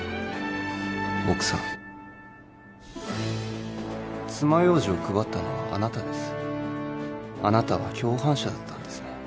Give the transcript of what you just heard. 奥さん爪楊枝を配ったのはあなたですあなたは共犯者だったんですね